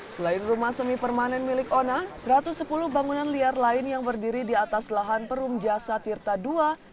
selain rumah semi permanen milik ona satu ratus sepuluh bangunan liar lain yang berdiri di atas lahan perum jasa tirta ii